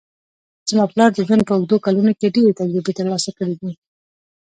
زما پلار د ژوند په اوږدو کلونو کې ډېرې تجربې ترلاسه کړې دي